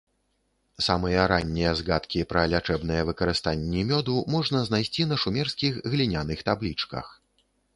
Самыя раннія згадкі пра лячэбнае выкарыстанні мёду можна знайсці на шумерскіх гліняных таблічках.